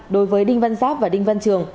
đối với đinh văn giáp và đinh văn trường